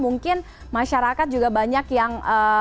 mungkin masyarakat juga banyak yang